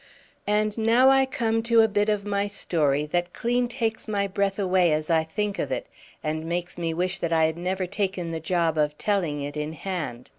And now I come to a bit of my story that clean takes my breath away as I think of it, and makes me wish that I had never taken the job of telling it in hand.